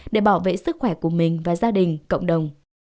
để bảo vệ sức khỏe của mình và gia đình cộng đồng